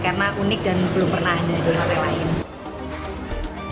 karena unik dan belum pernah ada di hotel lain